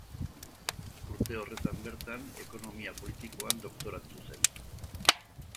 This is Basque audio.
Urte horretan bertan, Ekonomia politikoan doktoratu zen.